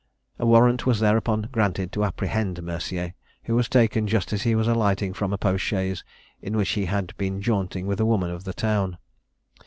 A warrant was thereupon granted to apprehend Mercier, who was taken just as he was alighting from a post chaise, in which he had been jaunting with a woman of the town.